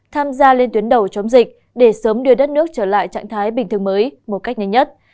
tham gia lên tuyến đầu chống dịch để sớm đưa đất nước trở lại trạng thái bình thường mới một cách nhanh nhất